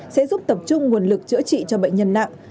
sẽ giúp tập trung nguồn lực chữa trị cho bệnh nhân nặng